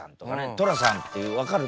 寅さんっていう分かる？